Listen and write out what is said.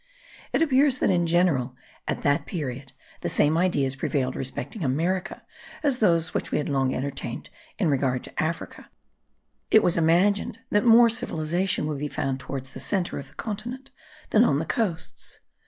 It appears that in general at that period the same ideas prevailed respecting America as those which we have long entertained in regard to Africa; it was imagined that more civilization would be found towards the centre of the continent than on the coasts.